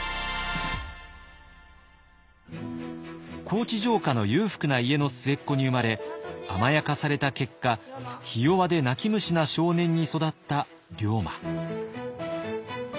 高知城下の裕福な家の末っ子に生まれ甘やかされた結果ひ弱で泣き虫な少年に育った龍馬。